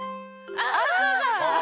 ああ。